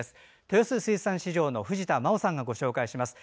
豊洲水産市場の藤田真央さんがご紹介します。